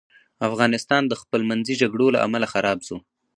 افغانستان د خپل منځي جګړو له امله خراب سو.